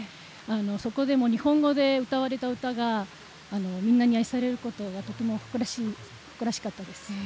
そこで日本語で歌われた歌がみんなに愛されることはとても誇らしかったです。